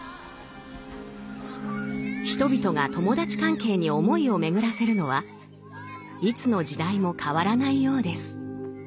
人々が友達関係に思いを巡らせるのはいつの時代も変わらないようです。